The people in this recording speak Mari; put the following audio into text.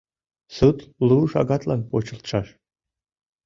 Суд лу шагатлан почылтшаш.